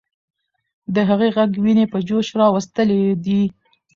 د هغې ږغ ويني په جوش راوستلې دي.